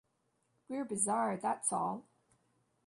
We're bizarre, that's all.